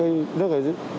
rất là hữu ích